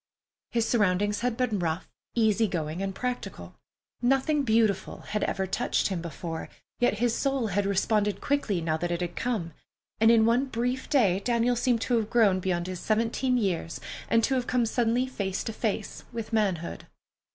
His surroundings had been rough, easy going, and practical. Nothing beautiful had ever touched him before, yet his soul had responded quickly now that it had come, and in one brief day Daniel seemed to have grown beyond his seventeen years and to have come suddenly face to face with manhood.